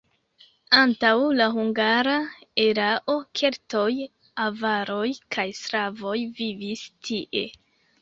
Antaŭ la hungara erao keltoj, avaroj kaj slavoj vivis tie.